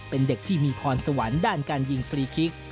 เป็นเด็กที่มีพรสวรรค์ด้านการยิงฟรีคิก